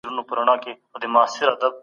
قرآن د مالونو د سمې کارونې امر کوي.